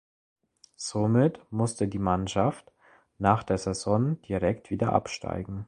Somit musste die Mannschaft nach der Saison direkt wieder absteigen.